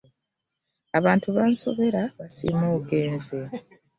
Abantu bansobera basiima ogenze.